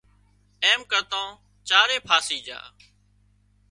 ايم ڪرتان چارئي ڦاسي جھا